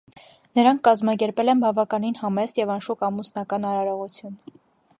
Նրանք կազմակերպել են բավականին համեստ և անշուք ամուսնական արարողություն։